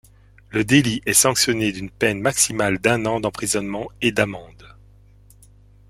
Le délit est sanctionné d'une peine maximale d'un an d'emprisonnement et de d'amende.